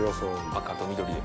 赤と緑で。